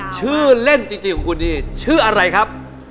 ชื่อเล่นจริงของคุณดีชื่ออะไรครับ